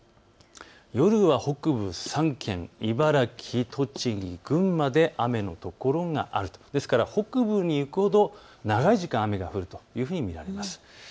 夜は北部３県、茨城、栃木、群馬で雨の所があると北部に行くほど長い時間雨が降るというふうに見られます。